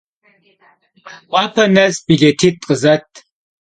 Mêykhuape nes bilêtit' khızet!